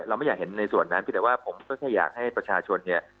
ไม่อยากเห็นในส่วนนั้นเพียงแต่ว่าผมก็แค่อยากให้ประชาชนเนี่ย